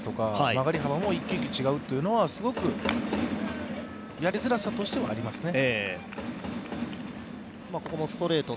曲がり幅も一球一球違うというのは、やりづらさとしてはありますね。